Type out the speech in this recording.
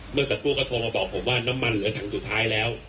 เมื่อสักครู่ก็โทรมาบอกผมว่าน้ำมันเหลือถังสุดท้ายแล้ว